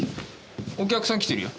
お客さん来てるよ。